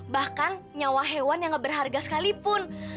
bahkan nyawa hewan yang gak berharga sekalipun